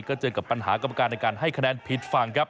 ก็เจอกับปัญหากรรมการในการให้คะแนนผิดฝั่งครับ